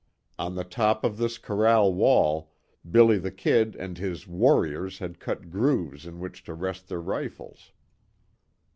On the top of this corral wall, "Billy the Kid" and his "warriors" had cut grooves in which to rest their rifles.